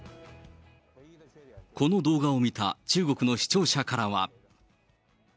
この動画を見た中国の視聴者からは。